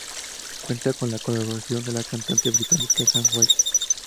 Cuenta con la colaboración de la cantante británica Sam White.